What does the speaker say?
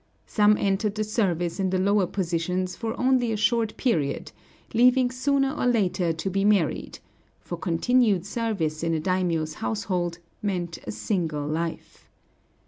Some entered the service in the lower positions for only a short period, leaving sooner or later to be married; for continued service in a daimiō's household meant a single life.